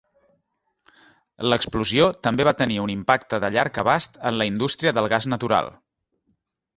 L'explosió també va tenir un impacte de llarg abast en la indústria del gas natural.